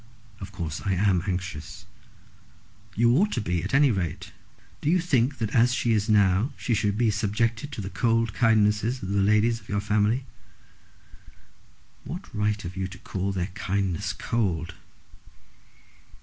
"Of course I am anxious." "You ought to be at any rate. Do you think, that as she is now she should be subjected to the cold kindnesses of the ladies of your family?" "What right have you to call their kindness cold?"